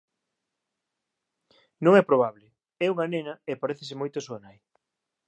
Non é probable; é unha nena, e parécese moito á súa nai.